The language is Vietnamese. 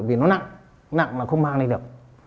vì nó nặng nặng là không mang lên được